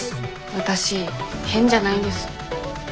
わたし変じゃないんです。